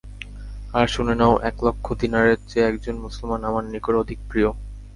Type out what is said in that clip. আর শুনে নাও, এক লক্ষ দিনারের চেয়ে একজন মুসলমান আমার নিকট অধিক প্রিয়।